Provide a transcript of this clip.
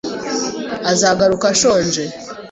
Azagaruka ashonje.